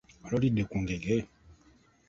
Wali olidde ku ngege?